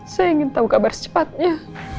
saya ingin tahu kabar sepatnya